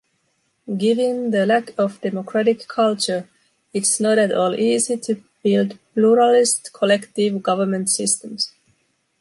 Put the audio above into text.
Given the lack of democratic culture, it’s not at all easy to build pluralist collective government systems.